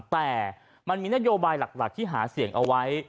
แต่มันมีนโยบายหลักที่หาเสียงเอาไว้